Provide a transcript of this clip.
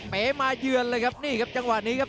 เป๋มาเยือนเลยครับนี่ครับจังหวะนี้ครับ